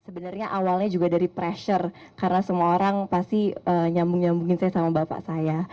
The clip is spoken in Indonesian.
sebenarnya awalnya juga dari pressure karena semua orang pasti nyambung nyambungin saya sama bapak saya